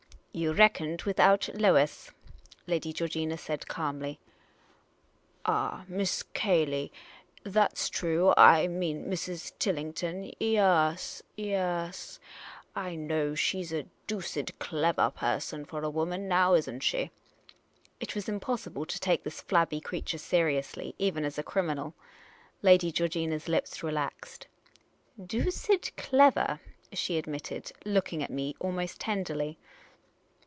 "You reckoned without Lois," Lady Georgina said, calmly. " Ah, Miss Cayley — that 's true. I mean, Mrs. Tillington. Yaas, yaas, I know, she 's a doosid clevah person — for a wo man — now is n't she ?" It was impossible to take this flabby creature seriously, even as a criminal. Lady Georgina's lips relaxed. "Doosid clever," she admitted, looking at me almost tenderly.